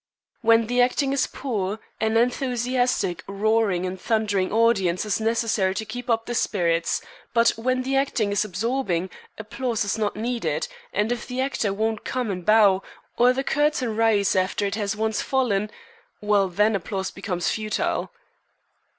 When the acting is poor, an enthusiastic, roaring and thundering audience is necessary to keep up the spirits: but when the acting is absorbing applause is not needed, and if the actor won't come and bow, or the curtain rise after it has once fallen well, then, applause becomes futile."